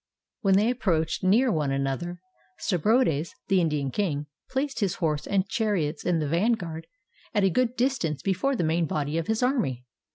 When they approached near one another, Stabrobates, the Indian king, placed his horse and chariots in the vanguard, at a good distance before the main body of his army.